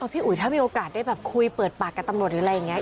พี่อุ๋ยถ้ามีโอกาสได้แบบคุยเปิดปากกับตำรวจหรืออะไรอย่างนี้